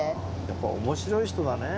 やっぱ面白い人だね。